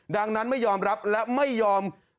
ดังนั้นไม่ยอมรับและไม่ยอม